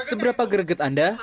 seberapa greget anda